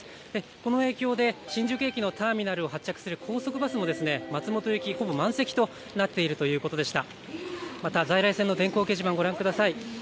この影響で新宿駅のターミナルを発着する高速バスの松本行き、ほぼ満席となっているということでした。